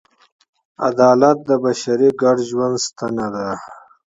عدالت د بشري ګډ ژوند محور دی.